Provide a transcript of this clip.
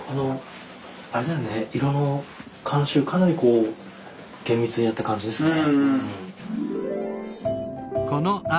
色の監修かなりこう厳密にやった感じですね。